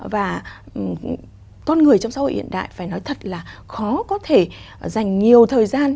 và con người trong xã hội hiện đại phải nói thật là khó có thể dành nhiều thời gian